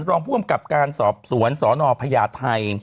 รองพ่วนกับการสอบสวนสอนอพญาไทย